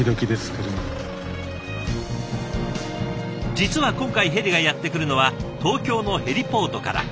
実は今回ヘリがやって来るのは東京のヘリポートから。